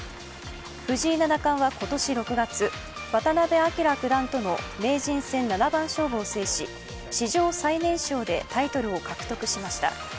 藤井七冠は今年６月、渡辺明九段との名人戦七番勝負を制し、史上最年少でタイトルを獲得しました。